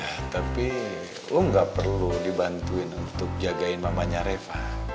iya tapi lo gak perlu dibantuin untuk jagain mamenya reva